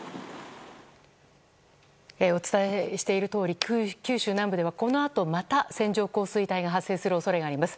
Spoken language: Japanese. お伝えしているとおり九州南部ではこのあとまた線状降水帯が発生する恐れがあります。